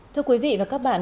thưa quý vị và các bạn